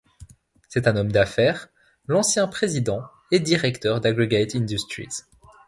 C'est un homme d'affaires, l'ancien président et directeur d'Aggregate Industries.